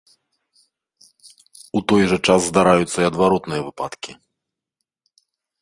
У той жа час здараюцца і адваротныя выпадкі.